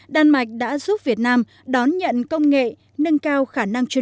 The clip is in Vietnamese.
đan mạch đã giúp việt nam đón nhận công nghệ nâng cao khả năng chuyên